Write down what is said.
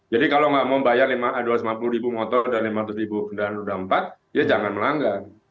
jadi kalau nggak mau bayar dua ratus lima puluh ribu motor dan lima ratus ribu pendana udara empat ya jangan melanggar